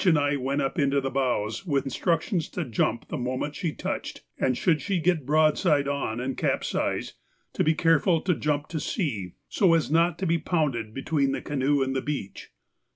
and I went up into the bows with instructions to jump the moment she touched, and, should she get broadside on and capsize, to be careful to jump to sea, so as not to be pounded between the canoe and the beach.